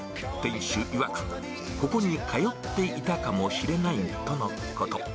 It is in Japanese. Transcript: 店主いわく、ここに通っていたかもしれないとのこと。